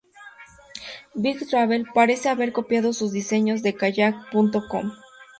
Bing Travel parece haber copiado sus diseños de Kayak.com.